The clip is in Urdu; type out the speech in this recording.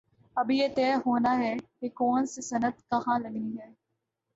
ابھی یہ طے ہو نا ہے کہ کون سی صنعت کہاں لگنی ہے۔